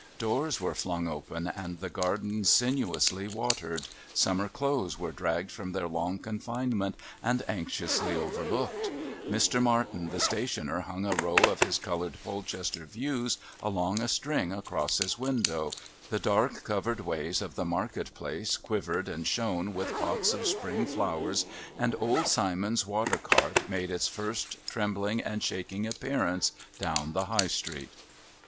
Doors were flung open and the gardens sinuously watered, summer clothes were dragged from their long confinement and anxiously overlooked, Mr. Martin, the stationer, hung a row of his coloured Polchester views along a string across his window, the dark, covered ways of the market place quivered and shone with pots of spring flowers, and old Simon's water cart made its first trembling and shaking appearance down the High Street.